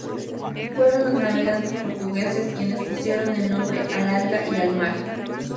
Fueron los navegantes portugueses quienes pusieron el nombre al alga y al mar.